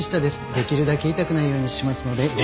できるだけ痛くないようにしますので。